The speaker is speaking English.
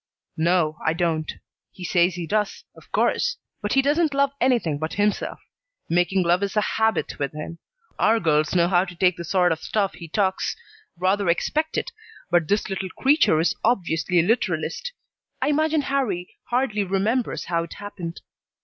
"No, I don't. He says he does, of course, but he doesn't love anything but himself. Making love is a habit with him. Our girls know how to take the sort of stuff he talks; rather expect it, but this little creature is obviously a literalist. I imagine Harrie hardly remembers how it happened.